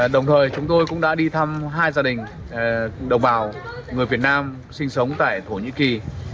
đồng thời chúng tôi cũng đã đi thăm hai gia đình đồng bào người việt nam sinh sống tại thổ nhĩ kỳ